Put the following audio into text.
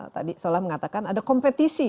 tadi solah mengatakan ada kompetisi